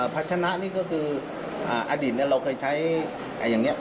พัชนะนี่ก็คืออดีตเราเคยใช้อย่างนี้